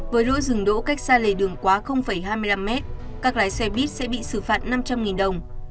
với lỗi dừng đỗ cách xa lề đường quá hai mươi năm m các lái xe buýt sẽ bị xử phạt năm trăm linh đồng